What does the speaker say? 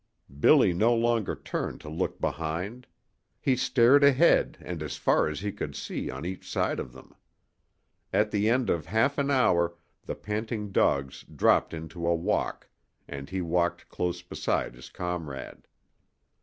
Billy no longer turned to look behind. He stared ahead and as far as he could see on each side of them. At the end of half an hour the panting dogs dropped into a walk, and he walked close beside his comrade.